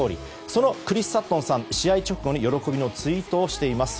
そのクリス・サットンさん試合直後に喜びのツイートをしています。